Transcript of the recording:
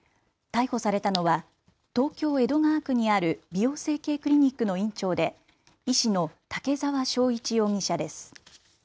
逮捕されたのは東京江戸川区にある美容整形クリニックの院長で医師の竹澤章一容疑者です。